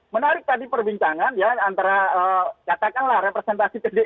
menarik tadi perbincangan ya antara katakanlah representasi